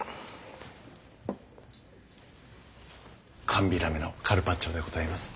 寒ビラメのカルパッチョでございます。